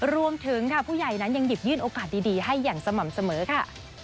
รวมถึงค่ะผู้ใหญ่นั้นยังหยิบยื่นโอกาสดีให้อย่างสม่ำเสมอค่ะ